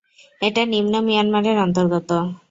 এটি নিন্ম মিয়ানমারের অন্তর্গত।